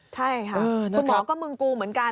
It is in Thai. ใช่ค่ะคุณหมอก็มึงกูเหมือนกัน